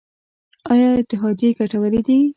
آیا اتحادیې ګټورې دي؟